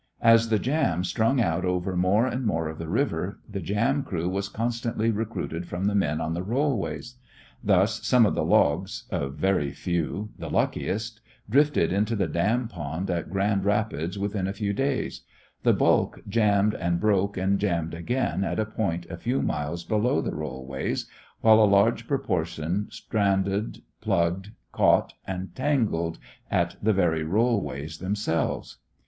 As the "jam" strung out over more and more of the river, the jam crew was constantly recruited from the men on the rollways. Thus some of the logs, a very few, the luckiest, drifted into the dam pond at Grand Rapids within a few days; the bulk jammed and broke and jammed again at a point a few miles below the rollways, while a large proportion stranded, plugged, caught, and tangled at the very rollways themselves.